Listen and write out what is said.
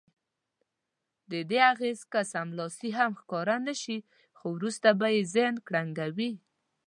ددې اغېز که سملاسي هم ښکاره نه شي خو وروسته به یې ذهن کړنګوي.